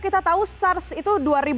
kita tahu sars itu dua ribu dua dua ribu tiga